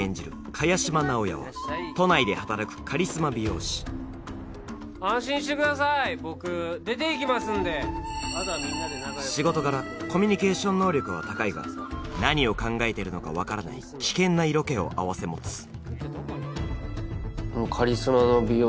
萱島直哉は都内で働くカリスマ美容師安心してください僕出ていきますんで仕事柄コミュニケーション能力は高いが何を考えてるのか分からない危険な色気を併せ持つ一見あっ